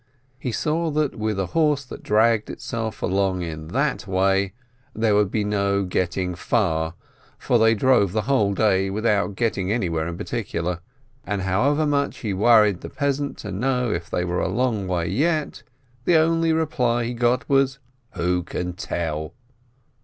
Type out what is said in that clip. He saw that with a horse that dragged itself along in that way, there would be no getting far, for they drove a whole day without getting anywhere in particular, and however much he worried the peasant to know if it were a long way yet, the only reply he got was, "Who can tell?"